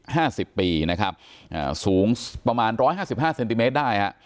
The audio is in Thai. ห้าสิบปีนะครับอ่าสูงประมาณร้อยห้าสิบห้าเซนติเมตรได้ฮะ